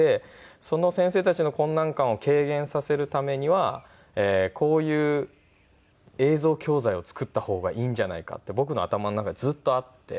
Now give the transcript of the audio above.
その先生たちの困難感を軽減させるためにはこういう映像教材を作った方がいいんじゃないかって僕の頭の中でずっとあって。